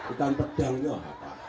ikan pedangnya apa